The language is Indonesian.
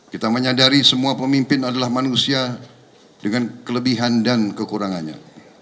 kita menyadari semua pemimpin adalah manusia dengan kelebihan dan kekurangannya